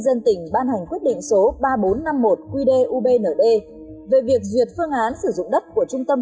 dân tỉnh ban hành quyết định số ba nghìn bốn trăm năm mươi một quỳ đề ub nở đê về việc duyệt phương án sử dụng đất của trung tâm